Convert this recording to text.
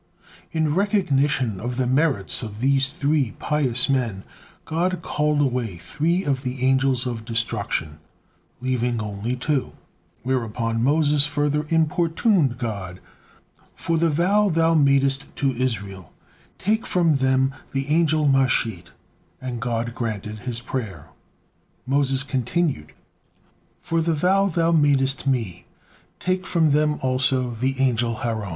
In recognition of the merits of these three pious men, God called away three of the Angels of Destruction, leaving only two: whereupon Moses further importuned God: "For the vow Thou madest to Israel, take from them the angel Mashhit;" and God granted his prayer. Moses continued: "For the vow Thou madest me, take from them also the angel Haron."